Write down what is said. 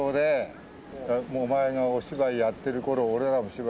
もうお前がお芝居やってる頃俺らも芝居やってて。